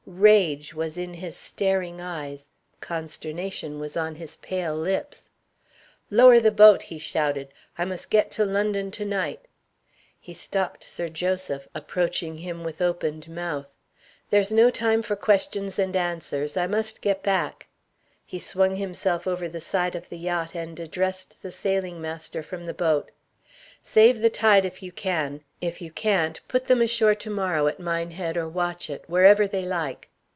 Rage was in his staring eyes, consternation was on his pale lips. "Lower the boat!" he shouted; "I must get to London to night." He stopped Sir Joseph, approaching him with opened mouth. "There's no time for questions and answers. I must get back." He swung himself over the side of the yacht, and addressed the sailing master from the boat. "Save the tide if you can; if you can't, put them ashore to morrow at Minehead or Watchet wherever they like."